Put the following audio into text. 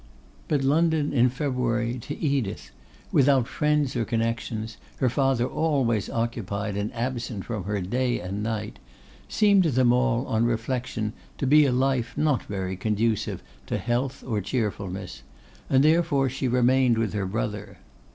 But London in February to Edith, without friends or connections, her father always occupied and absent from her day and night, seemed to them all, on reflection, to be a life not very conducive to health or cheerfulness, and therefore she remained with her brother.